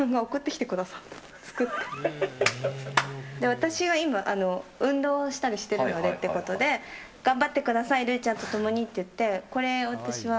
私は今運動したりしてるのでってことで頑張ってくださいルイちゃんと共にって。